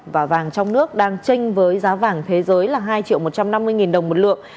và vàng trong nước đang tranh với giá vàng thế giới là hai triệu một trăm năm mươi đồng một lượng